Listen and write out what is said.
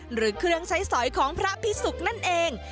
หรือเครื่องใช้สอยของพระพิสุกนั่นเอง